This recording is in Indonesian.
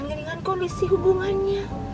ngelingan kondisi hubungannya